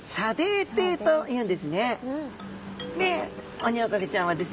オニオコゼちゃんはですね